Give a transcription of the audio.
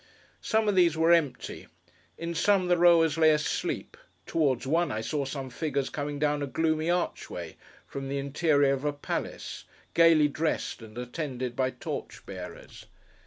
Some of these were empty; in some, the rowers lay asleep; towards one, I saw some figures coming down a gloomy archway from the interior of a palace: gaily dressed, and attended by torch bearers.